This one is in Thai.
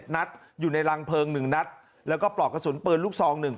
นัดอยู่ในรังเพลิง๑นัดแล้วก็ปลอกกระสุนปืนลูกซอง๑